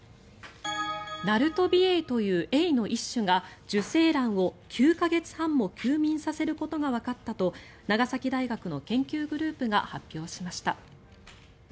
ナルトビエイというエイの一種が受精卵を９か月半も休眠させることがわかったと長崎大学の研究グループが発表しました。